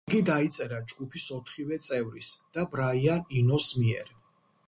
იგი დაიწერა ჯგუფის ოთხივე წევრის და ბრაიან ინოს მიერ.